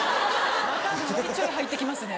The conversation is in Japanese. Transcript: ちょいちょい入って来ますね。